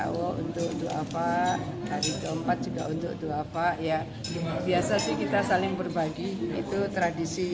oh untuk untuk apa hari keempat juga untuk doa pak ya biasa sih kita saling berbagi itu tradisi